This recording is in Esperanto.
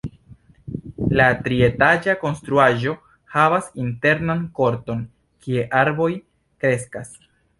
La trietaĝa konstruaĵo havas internan korton, kie arboj kreskas.